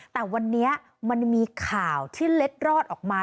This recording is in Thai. แต่วันนี้มันมีข่าวที่เล็ดรอดออกมา